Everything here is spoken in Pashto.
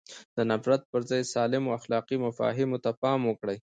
د نفرت پر ځای سالمو اخلاقي مفاهیمو ته پام وکړي.